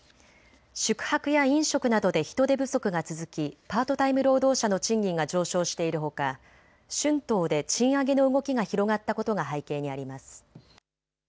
宿泊や飲食などで人手不足が続きパートタイム労働者の賃金が上昇しているほか春闘で賃上げの動きが広がったことが背景にあります。